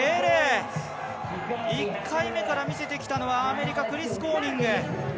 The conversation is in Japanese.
１回目から見せてきたのはアメリカ、クリス・コーニング。